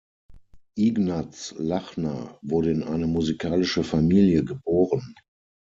Ignaz Lachner wurde in eine musikalische Familie geboren.